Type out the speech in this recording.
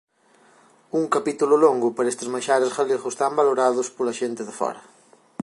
Un capítulo longo para estes manxares galegos tan valorados pola xente de fóra.